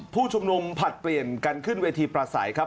ผู้ชุมนุมผลัดเปลี่ยนกันขึ้นเวทีประสัยครับ